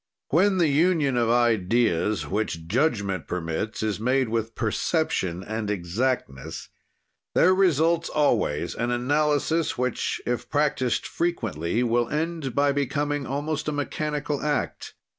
"When the union of ideas, which judgment permits, is made with perception and exactness, there results always an analysis, which, if practised frequently, will end by becoming almost a mechanical act.